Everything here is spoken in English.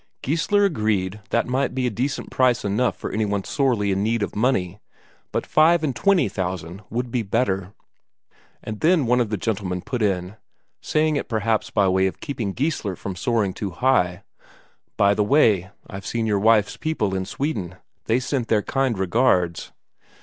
Geissler agreed that might be a decent price enough for any one sorely in need of the money, but five and twenty thousand would be better. And then one of the gentlemen put in saying it perhaps by way of keeping Geissler from soaring too far: "By the way, I've seen your wife's people in Sweden they sent their kind regards."